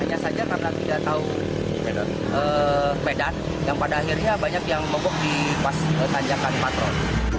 hanya saja karena tidak tahu medan yang pada akhirnya banyak yang mogok di pas tanjakan patron